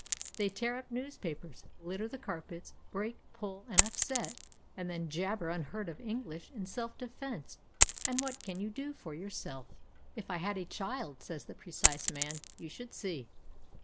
They tear up newspapers, litter the carpets, break, pull, and upset, and then jabber unheard of English in self defence; and what can you do for yourself? "If I had a child," says the precise man, "you should see."